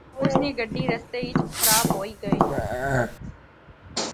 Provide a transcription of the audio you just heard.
اس نی گڈی رستے اچ خراب ہوئی غئی